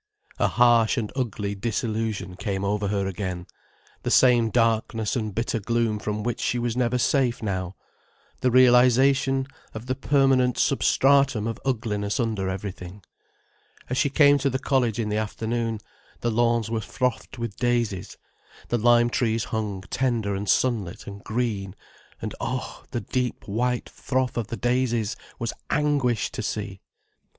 A harsh and ugly disillusion came over her again, the same darkness and bitter gloom from which she was never safe now, the realization of the permanent substratum of ugliness under everything. As she came to the college in the afternoon, the lawns were frothed with daisies, the lime trees hung tender and sunlit and green; and oh, the deep, white froth of the daisies was anguish to see.